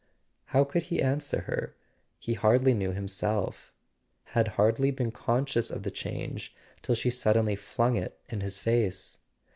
How could he answer her ? He hardly knew himself: had hardly been conscious of the change till she sud¬ denly flung it in his face.